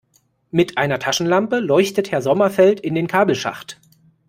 Mit einer Taschenlampe leuchtet Herr Sommerfeld in den Kabelschacht.